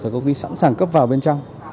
là công ty sẵn sàng cấp vào bên trong